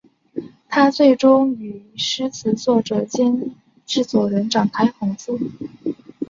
她最终与词曲作者兼制作人展开合作。